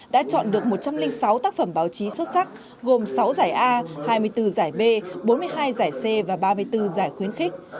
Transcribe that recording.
đã chọn được một trăm linh sáu tác phẩm báo chí xuất sắc gồm sáu giải a hai mươi bốn giải b bốn mươi hai giải c và ba mươi bốn giải khuyến khích